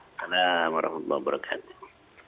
waalaikumsalam warahmatullahi wabarakatuh